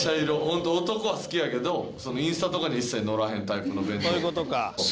本当男は好きやけどインスタとかには一切載らへんタイプの弁当。